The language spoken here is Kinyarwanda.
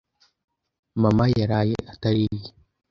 Mama yaraye atariye.